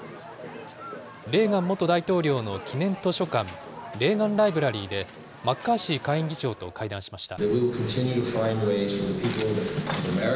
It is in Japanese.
レーガン元大統領の記念図書館、レーガン・ライブラリーでマッカーシー下院議長と会談しました。